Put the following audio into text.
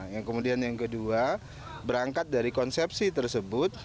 yang kemudian yang kedua berangkat dari konsepsi tersebut